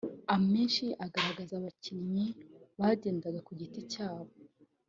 amenshi agaragaza abakinnyi bagendaga ku giti cyabo